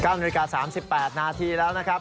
๙น๓๘นาทีแล้วนะครับ